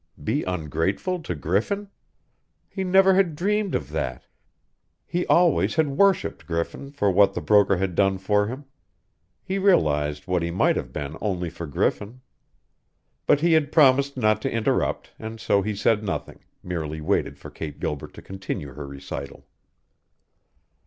Be ungrateful to Griffin? He never had dreamed of that! He always had worshiped Griffin for what the broker had done for him; he realized what he might have been only for Griffin. But he had promised not to interrupt, and so he said nothing, merely waited for Kate Gilbert to continue her recital.